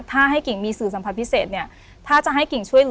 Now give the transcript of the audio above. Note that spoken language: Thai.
ถ้าให้กิ่งมีสื่อสัมผัสพิเศษเนี่ย